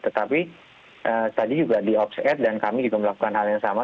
tetapi tadi juga di ops air dan kami juga melakukan hal yang sama